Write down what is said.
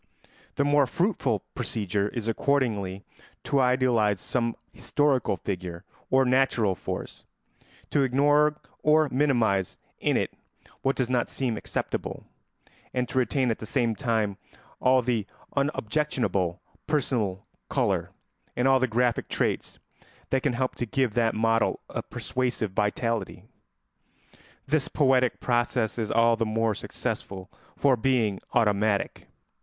The more fruitful procedure is accordingly to idealise some historical figure or natural force, to ignore or minimise in it what does not seem acceptable, and to retain at the same time all the unobjectionable personal colour and all the graphic traits that can help to give that model a persuasive vitality. This poetic process is all the more successful for being automatic.